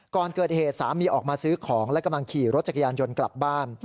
ก่อนเกิดเหตุสามีออกมาซื้อของและกำลังขี่รถจักรยานยนต์กลับบ้าน